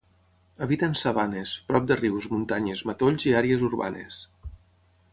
Habita en sabanes, prop de rius, muntanyes, matolls i àrees urbanes.